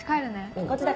こっちだから。